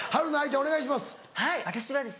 お願いします。